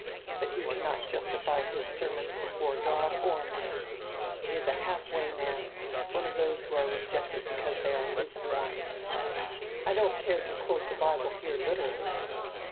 But he cannot justify his ser mons before God or man. He is a half way man, one of diose who are rejected because diey are lukewarm. I don't care to quote die Bible here literally."